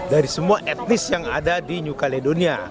dari semua etnis yang ada di new caledonia